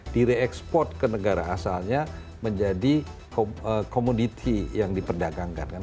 direekspor ke negara asalnya menjadi komoditi yang diperdagangkan